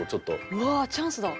うわっチャンスだ！